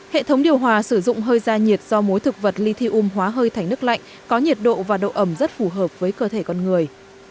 hệ thống điều hòa sử dụng hơi ra nhiệt do muối thực vật lithium hóa hơi thành nước lạnh có nhiệt độ và độ ẩm rất phù hợp với cơ thể con người